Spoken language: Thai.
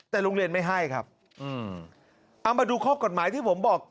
แต่โรงเรียนไม่ให้ครับเอามาดูข้อกฎหมายที่ผมบอก